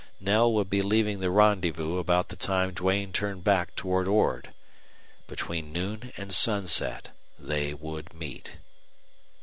Knell would be leaving the rendezvous about the time Duane turned back toward Ord. Between noon and sunset they would meet.